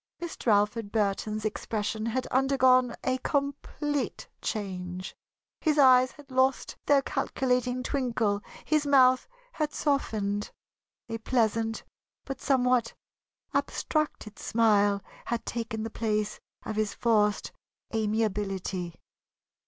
Mr. Alfred Burton's expression had undergone a complete change. His eyes had lost their calculating twinkle, his mouth had softened. A pleasant but somewhat abstracted smile had taken the place of his forced amiability.